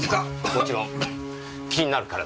もちろん気になるからですよ。